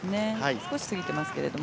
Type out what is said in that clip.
少し過ぎてますけども。